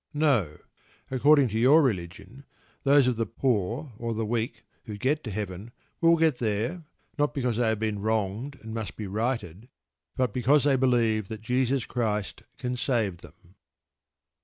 No. According to your religion, those of the poor or the weak who get to Heaven will get there, not because they have been wronged and must be righted, but because they believe that Jesus Christ can save them.